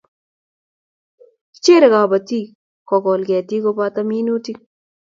Kicherei kobotik kokol ketik koboto minutik